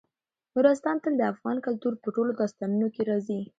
نورستان تل د افغان کلتور په ټولو داستانونو کې راځي.